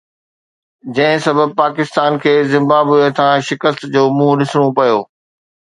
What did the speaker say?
جنهن سبب پاڪستان کي زمبابوي هٿان شڪست جو منهن ڏسڻو پيو.